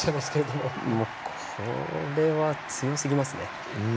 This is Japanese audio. もうこれは強すぎますね。